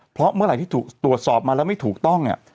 เพราะเมื่อไหร่ที่ถูกตรวจสอบมาแล้วไม่ถูกต้องเนี่ย